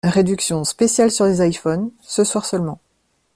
Réduction spéciale sur les iphones, ce soir seulement.